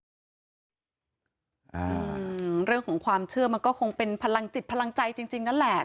เรื่องของความเชื่อมันก็คงเป็นพลังจิตพลังใจจริงจริงนั่นแหละ